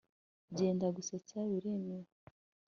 Byendagusetsa biremewe